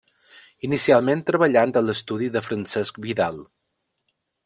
Inicialment treballant a l'estudi de Francesc Vidal.